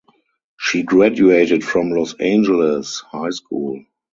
She graduated from Los Angeles High School.